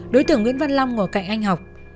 đối tượng nguyễn văn long ngồi cạnh anh học